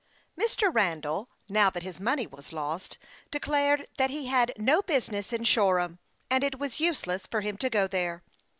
MR. RANDALL, now that his money was lost, de clared that he had no business in Shoreham, and it was useless for him to go there.